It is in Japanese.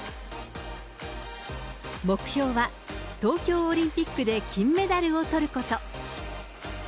目標は、東京オリンピックで金メダルをとること。